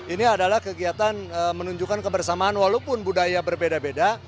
ini adalah kegiatan menunjukkan kebersamaan walaupun budaya berbeda beda